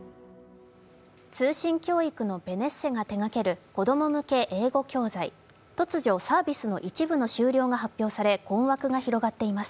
通信教育のベネッセが手がける子供向け英語教材、突如サービスの一部の終了が発表され困惑が広がっています。